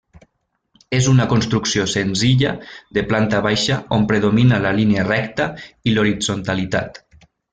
És una construcció senzilla de planta baixa on predomina la línia recta i l'horitzontalitat.